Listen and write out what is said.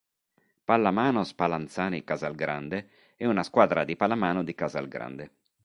Pallamano Spallanzani Casalgrande è una squadra di pallamano di Casalgrande.